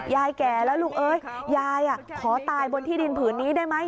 แก่แล้วลูกเอ้ยยายขอตายบนที่ดินผืนนี้ได้ไหม